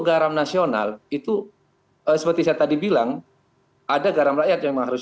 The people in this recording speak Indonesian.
garam nasional itu seperti saya tadi bilang ada garam rakyat yang harus